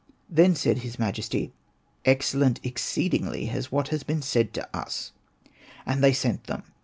Then said his majesty, " Excel lent exceedingly is what has been said to us ;" and they sent them.